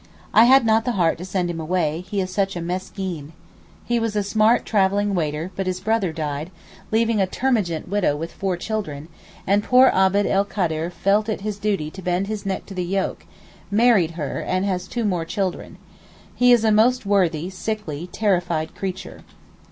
I had not the heart to send him away; he is such a meskeen. He was a smart travelling waiter, but his brother died, leaving a termagant widow with four children, and poor Abd el Kader felt it his duty to bend his neck to the yoke, married her, and has two more children. He is a most worthy, sickly, terrified creature.